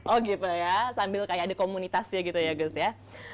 oh gitu ya sambil kayak ada komunitasnya gitu ya gus ya